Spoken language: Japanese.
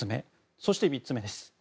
そして、３つ目です。